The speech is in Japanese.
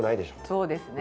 そうですね